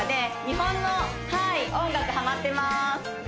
日本の音楽ハマってます